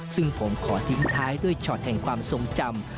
ซึ่งผมขอทิ้งท้ายด้วยช็อตแห่งความทรงจำ